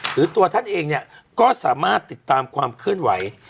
ตัวท่านเองเนี่ยก็สามารถติดตามความเคลื่อนไหว